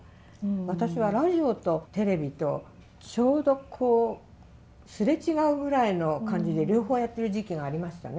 私はラジオとテレビとちょうどこう擦れ違うぐらいの感じで両方やってる時期がありましたね。